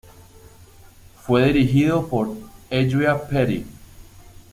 Fue dirigido por Adria Petty.